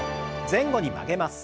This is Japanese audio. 前後に曲げます。